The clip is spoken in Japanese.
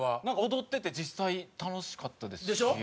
踊ってて実際楽しかったですし。でしょう？